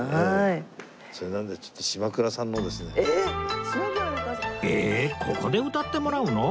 それなんでええ！ここで歌ってもらうの？